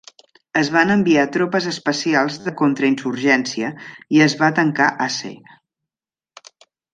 Es van enviar tropes especials de contrainsurgència i es va tancar Aceh.